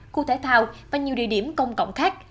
khu thể thao và nhiều địa điểm công cộng khác